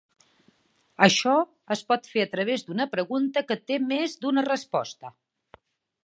Això es pot fer a través d'una pregunta que té més d'una resposta.